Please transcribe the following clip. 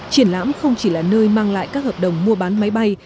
triển lãm không chỉ là nơi mang lại các hợp đồng mua bán máy bay